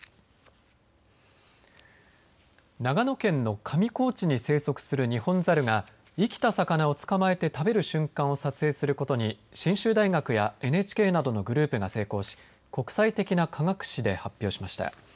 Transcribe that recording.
長野県の上高地に生息するニホンザルが生きた魚を捕まえて食べる瞬間を撮影することに信州大学やＮＨＫなどのグループが成功し国際的な科学誌で発表しました。